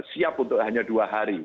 siap untuk hanya dua hari